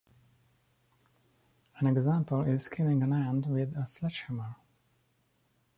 An example is killing an ant with a sledgehammer.